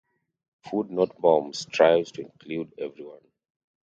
Food Not Bombs strives to include everyone.